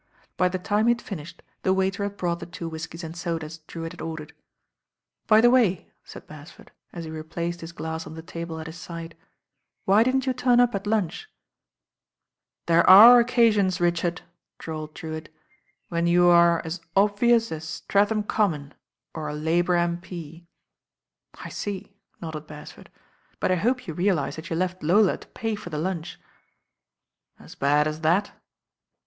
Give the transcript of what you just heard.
By the time he had finished the waiter had brought the two whiskies andsodas Drewitt had ordered. "By the way," said Beresford, as he replaced hit glass on the table at his side, "why didn't you turn up at lunch ?" "There are occasions, Richard," drawled Drewitt, "when you are as obvious as Streatham Common, or a Labour M.P." "I see," nodded Beresford, "but J hope you realise that you left Lola to pay for the lunch." "As bad as that?"